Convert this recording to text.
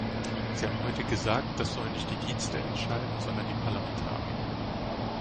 Sie haben heute gesagt, das sollen nicht die Dienste entscheiden, sondern die Parlamentarier.